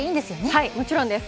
はい、もちろんです。